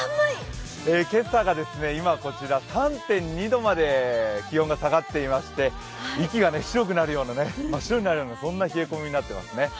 今朝が今、こちら３．２度まで気温が下がっていまして、息が真っ白になるようなそんな冷え込みになっていますね。